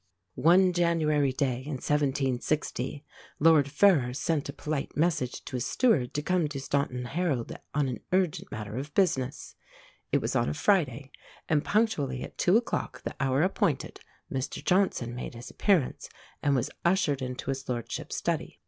One January day, in 1760, Lord Ferrers sent a polite message to his steward to come to Staunton Harold on an urgent matter of business. It was on a Friday; and punctually at two o'clock, the hour appointed, Mr Johnson made his appearance, and was ushered into his Lordship's study.